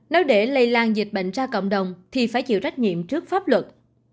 nếu để lây lan dịch bệnh ra cộng đồng thì phải chịu trách nhiệm trước pháp luật